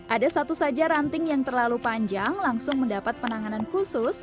ada satu saja ranting yang terlalu panjang langsung mendapat penanganan khusus